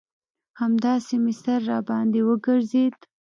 همداسې مې سر راباندې وگرځېد.